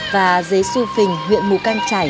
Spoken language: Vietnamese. và giế su phình huyện mù cang trải